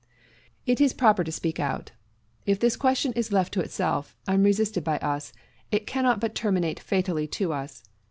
It is proper to speak out. If this question is left to itself, unresisted by us, it cannot but terminate fatally to us.